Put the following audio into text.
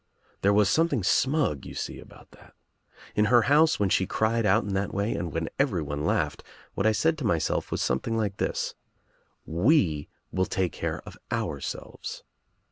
There was something smug, you see, about that. In her house when she cried out in that way, and when everyone laughed, what I said to myself was something like this: 'We will take care of ourselves.'